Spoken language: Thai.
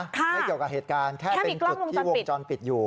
ไม่เกี่ยวกับเหตุการณ์แค่เป็นจุดที่วงจรปิดอยู่